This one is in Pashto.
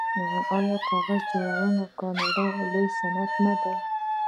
آیا کاغذ جوړول د کاناډا لوی صنعت نه دی؟